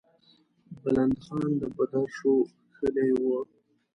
بلند خان د بدرشو کښلې وه.